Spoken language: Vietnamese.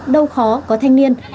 đâu khó có thanh niên